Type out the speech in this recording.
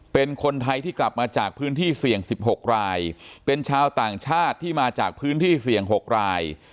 เป็นคนไทยที่กลับมาจากพื้นที่เสี่ยง๑๖รายเป็นชาวต่างชาติที่มาจากพื้นที่เสี่ยง๖ราย